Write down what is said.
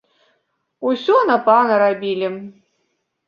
Усё на пана рабілі.